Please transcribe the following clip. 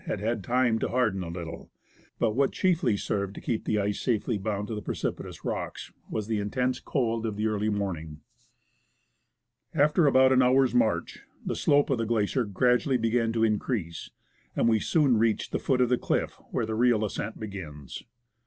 had had time to harden a little ; but what chiefly served to keep the ice safely bound to the precipitous rocks was the intense cold of early morning, After about an hour's march, the slope of the glacier gradually began to increase, and we soon reached the foot of the cliff where the real ascent begins.